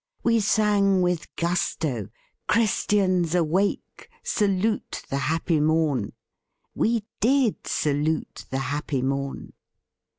We sang with gusto "Christians awake, salute the happy morn." We did salute the happy morn.